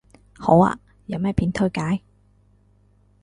好啊，有咩片推介